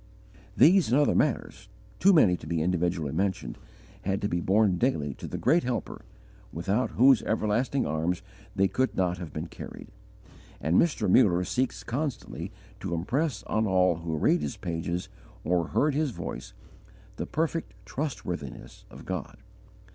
These and other matters, too many to be individually mentioned, had to be borne daily to the great Helper, without whose Everlasting Arms they could not have been carried. And Mr. Muller seeks constantly to impress on all who read his pages or heard his voice, the perfect trustworthiness of God.